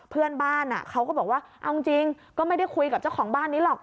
เพื่อนบ้านเขาก็บอกว่าเอาจริงก็ไม่ได้คุยกับเจ้าของบ้านนี้หรอก